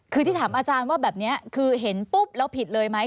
คือที่ถามอาจารย์ว่าแบบนี้คือเห็นปุ๊บแล้วผิดเลยไหม